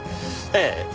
ええ。